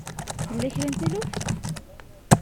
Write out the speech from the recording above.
Tella kra n taluft?